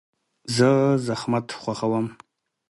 زه زحمت خوښوم.